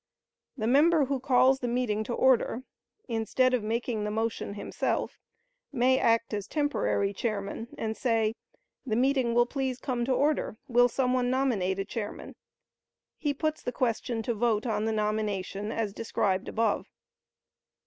The member who calls the meeting to order, instead of making the motion himself, may act as temporary chairman, and say: "The meeting will please come to order: will some one nominate a chairman?" He puts the question to vote on the nomination as described above.